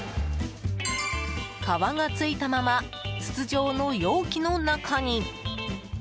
皮が付いたまま筒状の容器の中に。